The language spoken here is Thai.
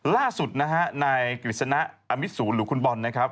ล่าสุดนะฮะนายกฤษณะอมิสูรหรือคุณบอลนะครับ